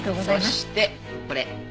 そしてこれ。